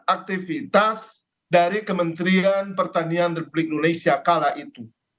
aktivitas dari kementerian pertanian republik indonesia kala itu